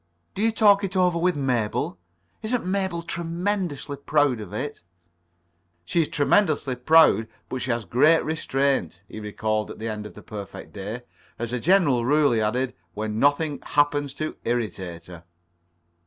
"Do you talk it over with Mabel? Isn't Mabel tremendously proud of it?" "She is tremendously proud, but she has great self restraint." He recalled the end of the perfect day. "As a general rule," he added, "when nothing happens to irritate her."